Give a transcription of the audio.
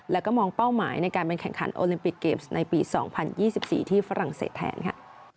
แล้วก็มองเป้าหมายในการเป็นแข่งขันโอลิมปิกเกมส์ในปี๒๐๒๔ที่ฝรั่งเศสแทนค่ะ